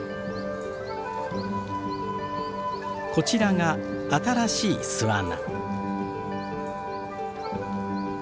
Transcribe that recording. こちらが新しい巣穴。